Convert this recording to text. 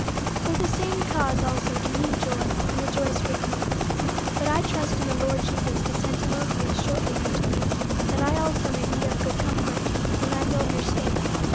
50:002:018 For the same cause also do ye joy, and rejoice with me. 50:002:019 But I trust in the Lord Jesus to send Timotheus shortly unto you, that I also may be of good comfort, when I know your state.